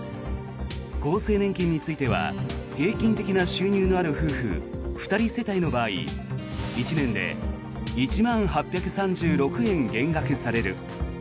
厚生年金については平均的な収入のある夫婦２人世帯の場合１年で１万８３６円減額される。